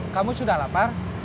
kamu sudah lapar